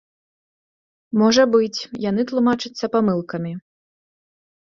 Можа быць, яны тлумачацца памылкамі.